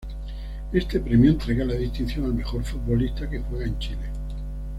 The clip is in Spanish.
Este premio entrega la distinción al mejor futbolista que juega en Chile.